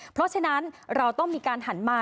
เพราะฉะนั้นเราต้องมีการหันมา